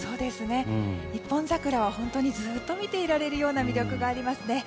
一本桜は本当にずっと見ていられるような魅力がありますね。